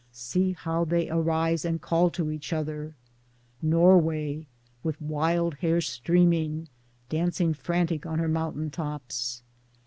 See how they arise and call to each other ! Norway 14 Towards Democracy with wild hair streaming, dancing frantic on her mountain tops